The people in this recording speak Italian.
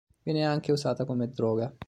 Viene anche usata come droga.